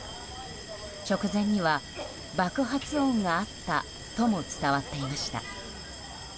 直前には爆発音があったとも伝わっていました。